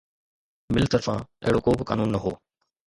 مل طرفان اهڙو ڪو به قانون نه هو